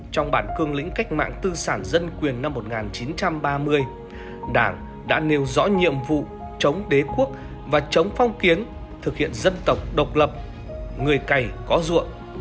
trong bản cương lĩnh cách mạng tư sản dân quyền năm một nghìn chín trăm ba mươi đảng đã nêu rõ nhiệm vụ chống đế quốc và chống phong kiến thực hiện dân tộc độc lập người cày có ruộng